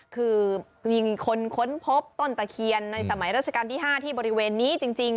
คือมีคนค้นพบต้นตะเคียนในสมัยราชการที่๕ที่บริเวณนี้จริง